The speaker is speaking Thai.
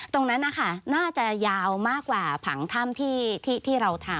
ตรงนั้นนะคะน่าจะยาวมากกว่าผังถ้ำที่เราทำ